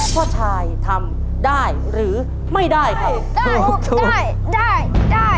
พ่อชายทำได้หรือไม่ได้ครับ